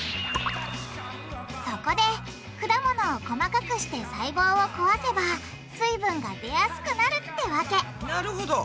そこで果物を細かくして細胞を壊せば水分が出やすくなるってわけなるほど！